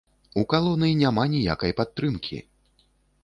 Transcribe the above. У калоны няма ніякай падтрымкі!